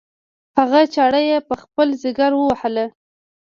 هغه چاړه یې په خپل ځګر ووهله.